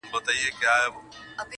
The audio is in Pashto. خیر لږ دي وي حلال دي وي پلارجانه،